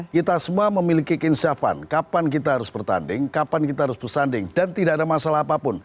kita semua memiliki keinsyafan kapan kita harus bertanding kapan kita harus bersanding dan tidak ada masalah apapun